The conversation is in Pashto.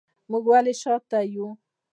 موږ ولې شاته یو؟